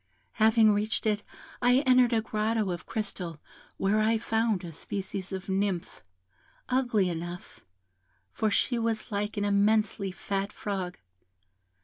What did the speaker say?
Having reached it, I entered a grotto of crystal, where I found a species of Nymph, ugly enough, for she was like an immensely fat frog.